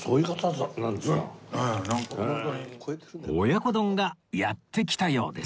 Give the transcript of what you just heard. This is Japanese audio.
親子丼がやって来たようです